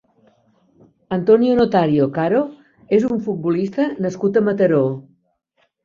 Antonio Notario Caro és un futbolista nascut a Mataró.